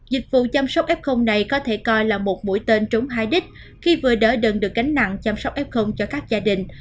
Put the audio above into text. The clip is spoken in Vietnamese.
dịch vụ chăm sóc f này có thể coi là một mũi tên trúng hai đích khi vừa đỡ đần được gánh nặng chăm sóc f cho các gia đình